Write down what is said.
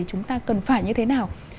chúng ta cần phải như thế nào